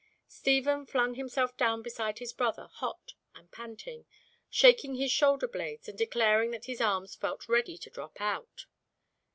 Stephen flung himself down beside his brother hot and panting, shaking his shoulder blades and declaring that his arms felt ready to drop out.